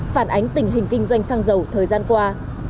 phản ánh tình hình kinh doanh xăng dầu thời gian qua